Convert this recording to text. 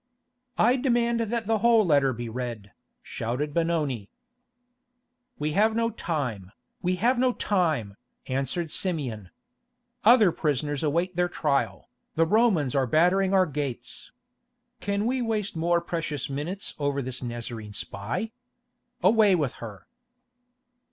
"I demand that the whole letter be read," shouted Benoni. "We have no time, we have no time," answered Simeon. "Other prisoners await their trial, the Romans are battering our gates. Can we waste more precious minutes over this Nazarene spy? Away with her."